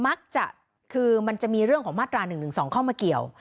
มักจะคือมันจะมีเรื่องของมาตรา๑๑๒เข้ามาเกี่ยว